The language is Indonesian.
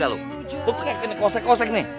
gue kayak kena kosek kosek nih